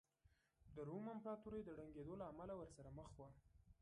د روم امپراتورۍ د ړنګېدو له امله ورسره مخ وه